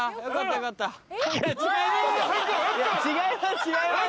違います！